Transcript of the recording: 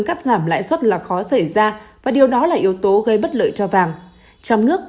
cắt giảm lãi suất là khó xảy ra và điều đó là yếu tố gây bất lợi cho vàng trong nước